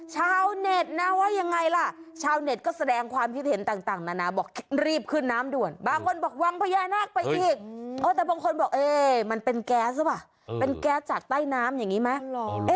ชาวแน็ตว่ายังไงล่ะ